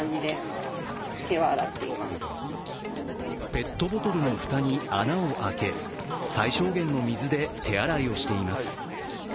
ペットボトルの蓋に穴を開け最小限の水で手洗いををしています。